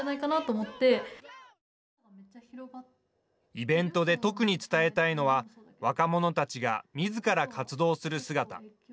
イベントで特に伝えたいのは若者たちがみずから活動する姿。